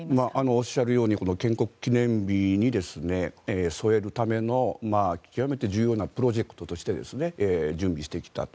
おっしゃるように建国記念日に添えるための極めて重要なプロジェクトとして準備してきたと。